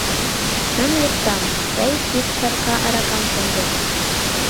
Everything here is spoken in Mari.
Чын луктам — тый ик чарка аракам шындет.